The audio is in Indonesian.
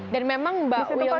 dan memang mbak wilna tuh